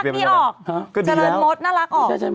เจริญมดน่ารักออก